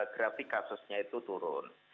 grafik kasusnya itu turun